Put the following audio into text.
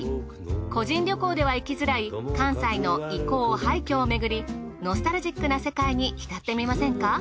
個人旅行では行きづらい関西の遺構・廃墟をめぐりノスタルジックな世界に浸ってみませんか？